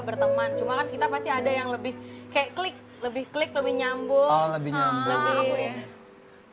berteman cuma kan kita pasti ada yang lebih kayak klik lebih klik lebih nyambung lebih nyambung lebih ya